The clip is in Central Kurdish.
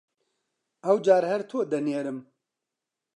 ئەوجار هەر تۆ دەنێرم!